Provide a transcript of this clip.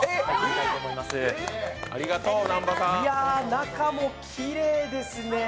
中もきれいですね。